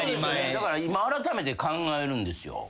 だから今あらためて考えるんですよ。